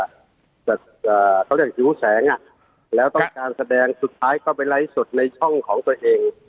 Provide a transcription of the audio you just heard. เขาเรียกหิวแสงอ่ะแล้วต้องการแสดงสุดท้ายก็ไปไลฟ์สดในช่องของตัวเอง